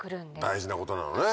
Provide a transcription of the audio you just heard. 大事なことなのね。